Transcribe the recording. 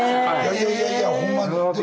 いやいやいやホンマに。